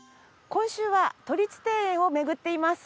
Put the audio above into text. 今週は都立庭園を巡っています。